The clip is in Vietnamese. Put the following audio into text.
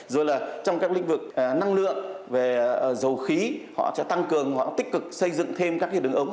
rồi trong các lĩnh vực năng lượng dầu khí họ sẽ tăng cường tích cực xây dựng thêm các đường ống